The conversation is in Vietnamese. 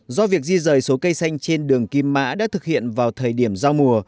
do việc di rời số cây xanh trên đường kim mã đã thực hiện vào thời điểm giao mùa